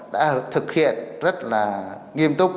đã thực hiện rất là nghiêm túc